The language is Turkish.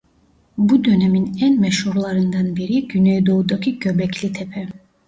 Bu dönemin en meşhurlarından biri Güneydoğu'daki Göbeklitepe.